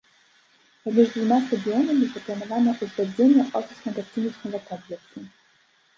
Паміж двума стадыёнамі запланавана ўзвядзенне офісна-гасцінічнага комплексу.